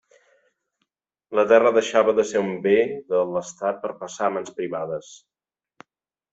La terra deixava de ser un bé de l'Estat per a passar a mans privades.